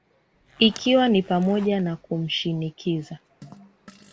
ikiwa ni pamoja na kumshinikiza